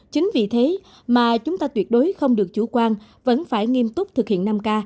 chính vì thế mà chúng ta tuyệt đối không được chủ quan vẫn phải nghiêm túc thực hiện năm k